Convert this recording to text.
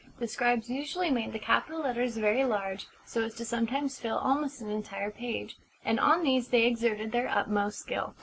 The scribes usually made the capital letters very large, so as sometimes to fill almost an entire page; and on these they exerted their utmost skill.